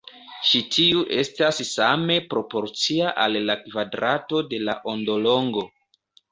Ĉi tiu estas same proporcia al la kvadrato de la ondolongo.